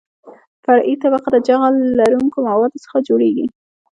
فرعي طبقه د جغل لرونکو موادو څخه جوړیږي